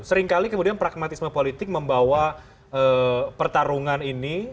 seringkali kemudian pragmatisme politik membawa pertarungan ini